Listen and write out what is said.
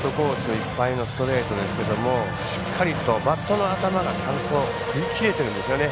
いっぱいのストレートですけどもしっかりとバットの頭がちゃんと振り切れてるんですよね。